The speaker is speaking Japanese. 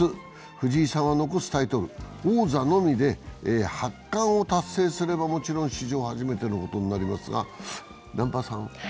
藤井さんは残すタイトル、王座のみで八冠を達成すればもちろん史上初めてのことになります。